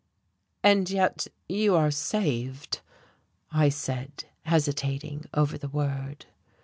"And yet you are saved," I said, hesitating over the word.